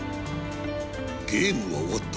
「ゲームは終わった。